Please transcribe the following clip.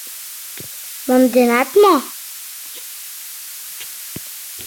— Монденат мо?